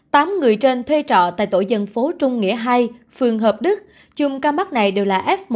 tám người trên thuê trọ tại tổ dân phố trung nghĩa hai phường hợp đức chung ca mắc này đều là f một